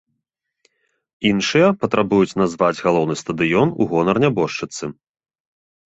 Іншыя патрабуюць назваць галоўны стадыён у гонар нябожчыцы.